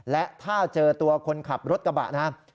และถ้าเจอตัวคนขับรถกระบะนะครับ